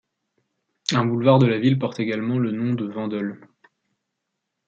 Un boulevard de la ville porte également le nom de Vandeul.